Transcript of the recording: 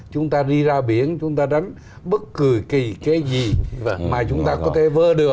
chúng ta đi ra biển chúng ta đánh bất kỳ cái gì mà chúng ta có thể vơ được